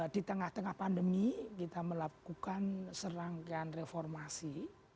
di tengah tengah pandemi kita melakukan serangkaian reformasi